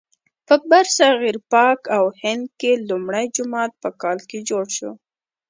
په برصغیر پاک و هند کې لومړی جومات په کال کې جوړ شو.